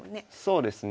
そうですね。